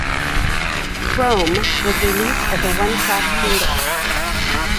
"Chrome" was released as a one-track single.